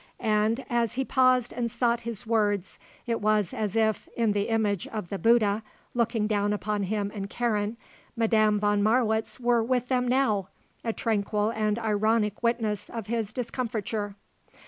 And as he paused and sought his words it was as if, in the image of the Bouddha, looking down upon him and Karen, Madame von Marwitz were with them now, a tranquil and ironic witness of his discomfiture.